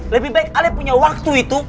lebih baik kalian punya waktu itu